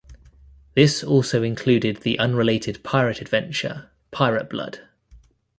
This also included the unrelated pirate adventure Pirate Blood.